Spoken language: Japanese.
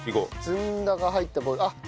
ずんだが入ったボウルあっ。